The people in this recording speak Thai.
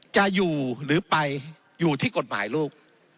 จะอยู่หรือไปอยู่ที่กฎหมายลูก